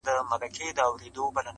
لوڅ لپړ توره تر ملا شمله یې جګه؛